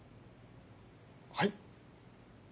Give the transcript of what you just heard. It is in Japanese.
はい？